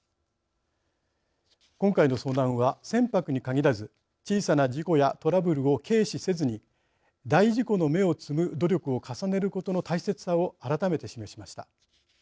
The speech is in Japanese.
今回の遭難は船舶に限らず小さな事故やトラブルを軽視せずに大事故の芽を摘む努力を重ねることの大切さを改めて示しました。